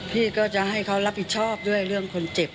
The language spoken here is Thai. พี่ก็จะให้เขารับผิดชอบด้วยเรื่องคนเจ็บ